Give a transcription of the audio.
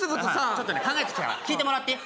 ちょっとね考えてきたから聴いてもらっていい？